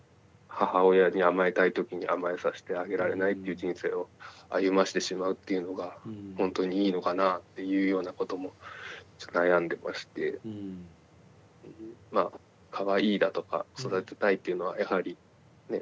母親に甘えたい時に甘えさしてあげられないっていう人生を歩ましてしまうっていうのがほんとにいいのかなっていうようなこともちょっと悩んでましてまあかわいいだとか育てたいっていうのはやはりね